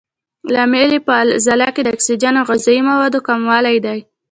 لامل یې په عضله کې د اکسیجن او غذایي موادو کموالی دی.